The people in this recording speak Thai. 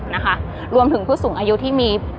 นะคะรวมถึงผู้สูงอายุที่มี